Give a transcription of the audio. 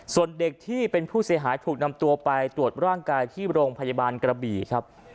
ส่วนเด็กที่เป็นผู้เสียหายถูกนำตัวไปตรวจร่างกายที่โรงพยาบาลกระบี่ครับ